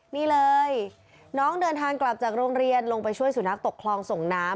นี่เลยน้องเดินทางกลับจากโรงเรียนลงไปช่วยสุนัขตกคลองส่งน้ำ